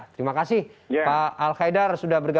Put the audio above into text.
terima kasih pak alkaidar sudah berbicara